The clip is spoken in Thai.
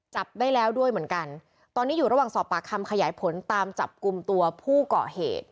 จับได้แล้วด้วยเหมือนกันตอนนี้อยู่ระหว่างสอบปากคำขยายผลตามจับกลุ่มตัวผู้เกาะเหตุ